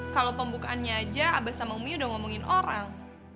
kalau pembukaannya aja abah sama umi udah ngomongin orang